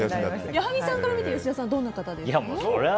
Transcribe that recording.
矢作さんから見て吉田さんはどんな方ですか。